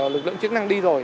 lực lượng chức năng đi rồi